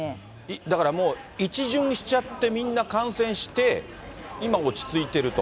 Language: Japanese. だからもう、一巡しちゃって、みんな感染して、今落ち着いてると。